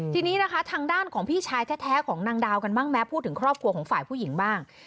ทีนี้นะคะทางด้านของพี่ชายแท้ของนางดาวกันบ้างแม้พูดถึงครอบครัวของฝ่ายผู้หญิงบ้าง